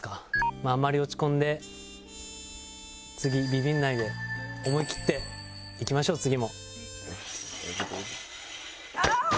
まああんまり落ち込んで次ビビんないで思い切っていきましょう次も。